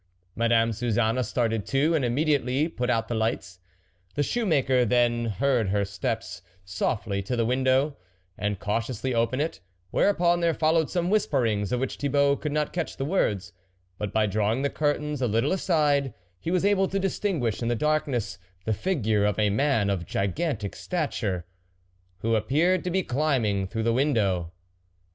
Madame Suzanne started too, and immediately put out the lights. The shoemaker then heard her step* softly to the window, and cautiously open it ; whereupon there followed some whisperings, of which Thi bault could not catch the words, but, by drawing the curtain a little aside, he was able to distinguish in the darkness the figure of a man of gigantic stature, who appeared to be climbing through the window.